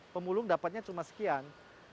pemulung dapatnya cuma sekian